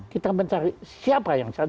kita mencari siapa yang